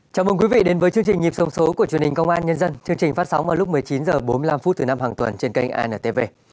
chào mừng quý vị đến với chương trình nhịp sông số của truyền hình công an nhân dân chương trình phát sóng vào lúc một mươi chín h bốn mươi năm thứ năm hàng tuần trên kênh antv